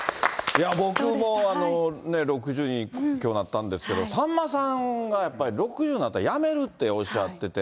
僕も６０にきょうなったんですけど、さんまさんがやっぱり６０なったらやめるっておっしゃってて。